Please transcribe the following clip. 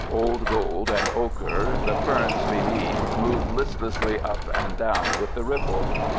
Old gold and ocher, the ferns beneath move listlessly up and down with the ripple.